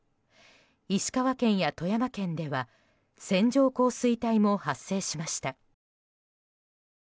石川県や富山県では線状降水帯も発生しました。